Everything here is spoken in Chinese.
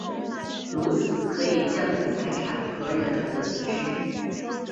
如此可以降低财产和人口的损失。